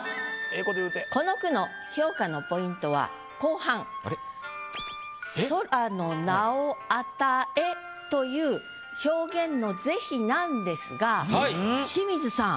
この句の評価のポイントは後半「空の名を与へ」という表現の是非なんですが清水さん。